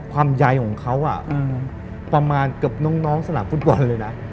ความใหญ่ของเขาประมาณเกือบน้องสถานฟุตบอลเลยนะ